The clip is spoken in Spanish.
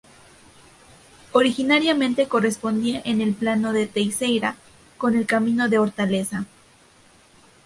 Originariamente correspondía en el plano de Teixeira con el "camino de Hortaleza".